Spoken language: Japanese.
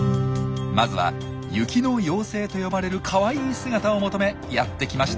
まずは「雪の妖精」と呼ばれるかわいい姿を求めやってきました